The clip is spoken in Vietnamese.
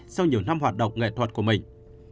sau nhiều năm hoạt động nghệ thuật của mình